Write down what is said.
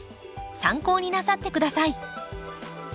参考になさってください。